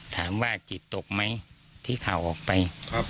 ถามว่าจิตตกไหมที่ข่าวออกไป